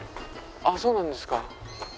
ああそうなんですか？